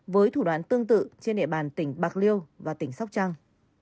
với thủ đoạn tương tự trên địa bàn tỉnh bạc liêu và tỉnh sóc trăng